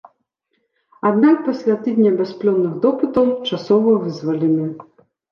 Аднак пасля тыдня бясплённых допытаў часова вызвалены.